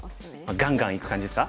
ガンガンいく感じですか？